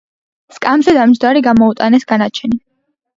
სკამზე დამჯდარი გამოუტანეს განაჩენი.